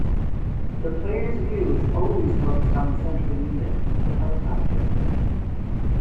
The player's view is always focused on the central unit, the helicopter.